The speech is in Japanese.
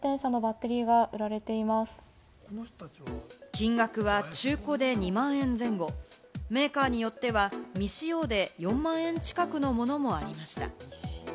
金額は中古で２万円前後、メーカーによっては未使用で４万円近くのものもありました。